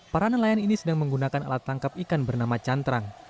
para nelayan ini sedang menggunakan alat tangkap ikan bernama cantrang